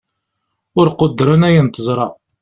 ur quddren ayen teẓṛa